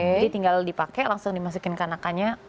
jadi tinggal dipakai langsung dimasukin ke anakannya